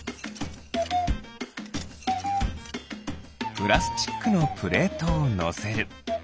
プラスチックのプレートをのせる。